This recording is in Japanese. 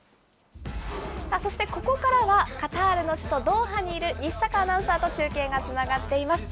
そしてここからは、カタールの首都ドーハにいる西阪アナウンサーと中継がつながっています。